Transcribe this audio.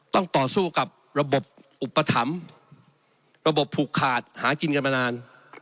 ต้องต่อสู้กับระบบอุปถัมภ์ระบบผูกขาดหากินกันมานาน